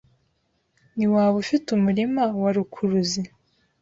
ntiwaba ufite umurima wa rukuruzi